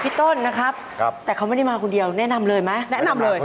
ต้นนะครับแต่เขาไม่ได้มาคนเดียวแนะนำเลยไหมแนะนำเลย